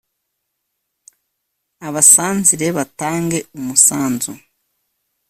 Abasanzire batange umusanzu